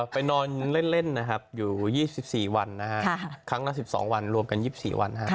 ไปนอนเล่นอยู่๒๔วันครั้งละ๑๒วันรวมกัน๒๔วัน